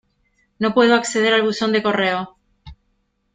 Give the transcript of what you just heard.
No puedo acceder al buzón de correo.